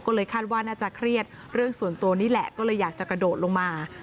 ก็เลยคาดว่าน่าจะเครียดเรื่องส่วนตัวนี่แหละก็เลยอยากจะกระโดดลงมา